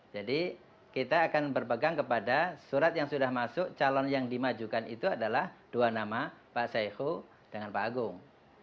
jadi kita akan berpegang kepada surat yang sudah masuk calon yang dimajukan itu adalah dua nama pak saeho dengan pak agung